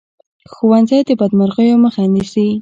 ښوونځی د بدمرغیو مخه نیسي